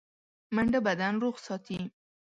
منډه بدن روغ ساتي